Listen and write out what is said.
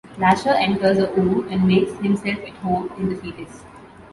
Lasher enters her womb and makes himself at home in the fetus.